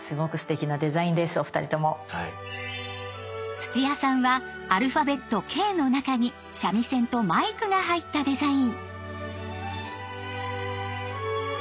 土屋さんはアルファベット「Ｋ」の中に三味線とマイクが入ったデザイン。